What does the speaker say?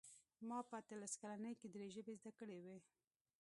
ما په اتلس کلنۍ کې درې ژبې زده کړې وې